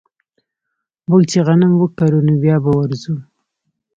موږ چې غنم وکرو نو بيا به ورځو